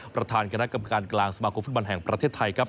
ประธานกรรมการกลางสมาคมฟุตบันแห่งประเทศไทย